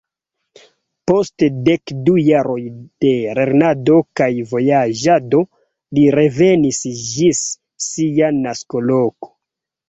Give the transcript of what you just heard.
Post dek du jaroj de lernado kaj vojaĝado li revenis ĝis sia naskoloko.